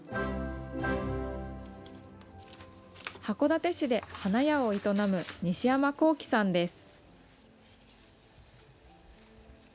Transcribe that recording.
函館市で花屋を営む西山弘紀さんです。